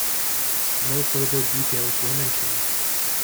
No further details were mentioned.